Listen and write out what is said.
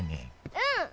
うん！